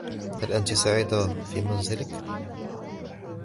هل أنتِ سعيدة في منزلك ؟